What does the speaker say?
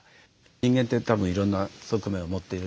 人間ってたぶんいろんな側面を持っている。